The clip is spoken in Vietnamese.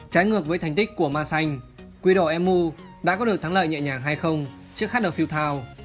trái ngược với thành tích của man xanh quy đỏ emu đã có được thắng lợi nhẹ nhàng hay không trước khát đầu phiêu thao